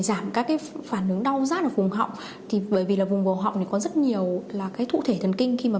giảm các phản ứng đau rát ở vùng họng bởi vì là vùng họng có rất nhiều thụ thể thần kinh khi mà